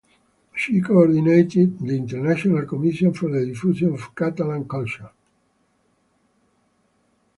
She coordinated the International Commission for the Diffusion of Catalan Culture.